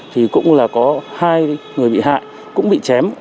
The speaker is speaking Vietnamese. thì cũng là có hai người bị hại cũng bị chém